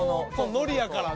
のりやからね。